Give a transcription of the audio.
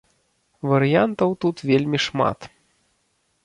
Варыянтаў тут вельмі шмат.